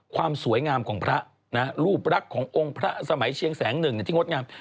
ความสวยงามของพระรูปรักขององค์พระสมัยเชียงแสงหนึ่งที่งดงาม